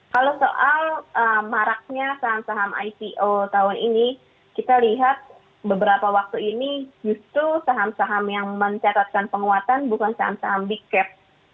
kalau soal maraknya saham saham ipo tahun ini kita lihat beberapa waktu ini justru saham saham yang mencatatkan penguatan bukan saham saham big cap